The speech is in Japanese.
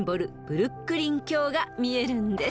ブルックリン橋が見えるんです］